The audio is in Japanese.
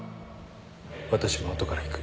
私も後から行く。